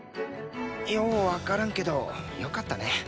ようわからんけどよかったね。